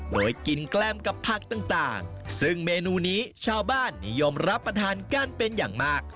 โดยกินแกล้มกับผักต่างซึ่งเมนูนี้ชาวบ้านนิยมรับประทานกันเป็นอย่างมาก